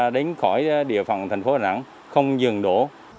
đến khỏi địa phòng thành phố đà nẵng không dừng đổ